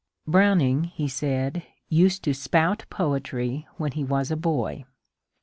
Browning, he said, used to *^ spout " poetry when he was a boy.